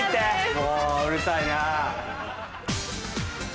もううるさいな。